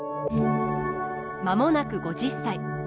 間もなく５０歳。